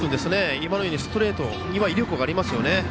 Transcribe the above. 今のようにストレートには威力がありますよね。